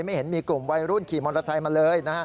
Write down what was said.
ไม่เห็นมีกลุ่มวัยรุ่นขี่มอเตอร์ไซค์มาเลย